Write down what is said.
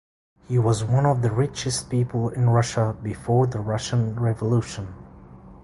He was one of the richest people in Russia before the Russian Revolution.